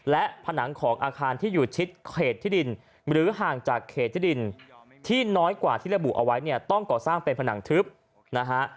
และผนังของอาคารที่อยู่ชิดเขตที่ดินหรือห่างจากเขตที่ดินที่น้อยกว่าที่ระบุเอาไว้เนี่ยต้องก่อสร้างเป็นผนังทึบนะฮะ